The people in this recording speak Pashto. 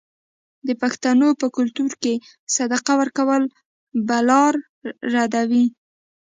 د پښتنو په کلتور کې صدقه ورکول بلا ردوي.